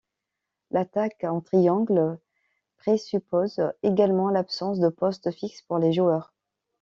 L'attaque en triangle présuppose également l'absence de poste fixe pour les joueurs.